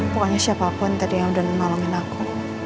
pokoknya siapapun tadi yang udah malangin aku